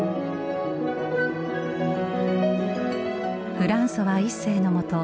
フランソワ一世のもと